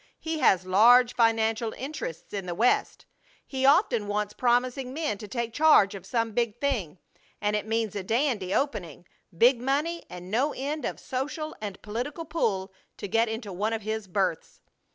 He has large financial interests in the West; he often wants promising men to take charge of some big thing, and it means a dandy opening; big money and no end of social and political pull to get into one of his berths.